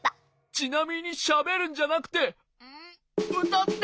ちなみにしゃべるんじゃなくてうたって！